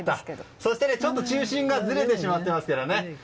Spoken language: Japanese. そして、ちょっと中心がずれてしまっていますからね。